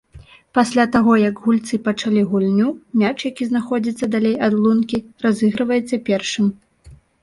Пасля таго, як гульцы пачалі гульню, мяч, які знаходзіцца далей ад лункі разыгрываецца першым.